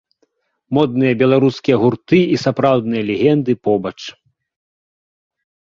Модныя беларускія гурты і сапраўдныя легенды побач.